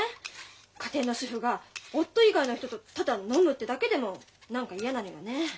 家庭の主婦が夫以外の人とただ飲むってだけでも何か嫌なのよね。